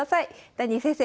ダニー先生